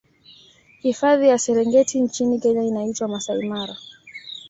hifadhi ya serengeti nchini kenya inaitwa masai mara